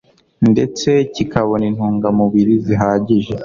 ndetse kikabona intungamubiri zihagije